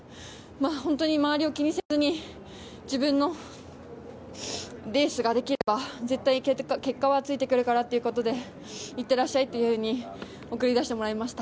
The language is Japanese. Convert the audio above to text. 本当に周りを気にせずに自分のレースができれば絶対に結果はついてくるからということで行ってらっしゃいっていうふうに送り出してもらいました。